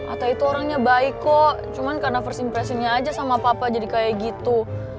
atta itu orangnya baik kok cuma karena first impressionnya aja sama papa jadi kayak gitu